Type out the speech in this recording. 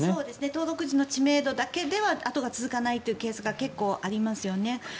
登録時の知名度だけではあとが続かないというケースが結構ありますよね。